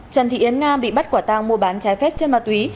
trần thị yến nam bị bắt quả tang mua bán trái phép chân ma túy